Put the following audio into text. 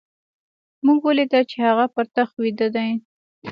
موږ وليدل چې هغه پر تخت ويده دی.